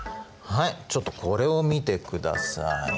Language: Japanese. はいちょっとこれを見てください。